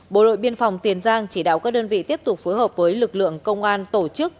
bộ đội biên phòng tiền giang chỉ đạo các đơn vị tiếp tục phối hợp với lực lượng công an tổ chức